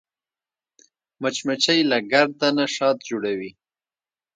مچمچۍ له ګرده نه شات جوړوي